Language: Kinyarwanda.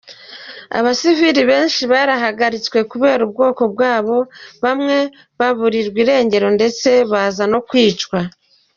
Abasivili benshi barahagaritswe kubera ubwoko bwabo bamwe baburirwa irengero ndetse baza no kwica.